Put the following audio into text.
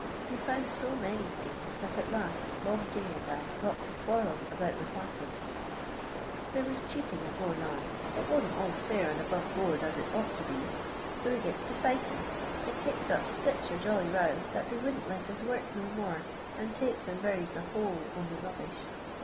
We found io many things, that at last Long J — and I got to quarrel about the *' whacking ;" there was cheatin' a goin' on ; it wasn't all mir and above board as it ought to be, so we gits to figfatin', and kicks np sich a jolly row, that they wouldn't let ns work no more, and takes and buries the whole on the mbbish.